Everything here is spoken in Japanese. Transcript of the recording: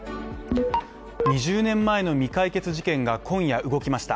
２０年前の未解決事件が今夜、動きました。